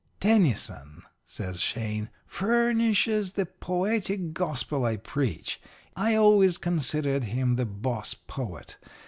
"'Tennyson,' says Shane, 'furnishes the poetic gospel I preach. I always considered him the boss poet.